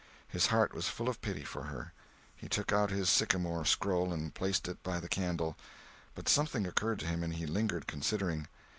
His heart was full of pity for her. He took out his sycamore scroll and placed it by the candle. But something occurred to him, and he lingered considering.